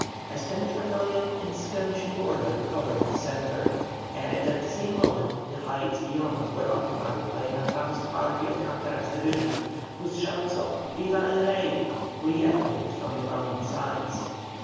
A Spanish battalion in skirmishing order covered the centre, and at the same moment the heights beyond were occupied by an advanced party of Canterac's division, whose shouts of "Viva el Rey!" re echoed from the mountain sides.